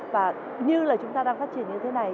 và như là chúng ta đang phát triển như thế này